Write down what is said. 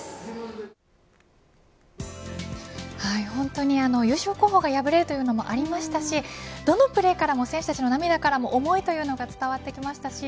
本当に優勝候補が敗れるというのもありましたしどのプレーからも選手たちの涙からも思いというのが伝わりました。